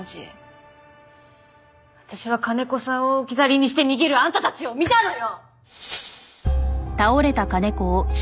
私は金子さんを置き去りにして逃げるあんたたちを見たのよ！